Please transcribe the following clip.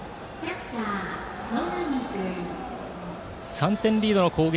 ３点リードの攻撃